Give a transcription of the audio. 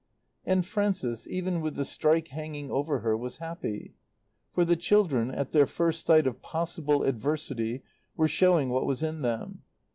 And Frances, even with the strike hanging over her, was happy. For the children, at their first sight of possible adversity, were showing what was in them.